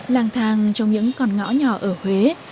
làng thang trong những con ngõ nhỏ ở huế